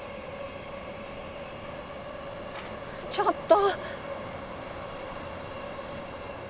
ちょっと！